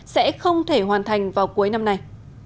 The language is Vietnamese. sẽ không thể hoàn thành vào cuối năm nay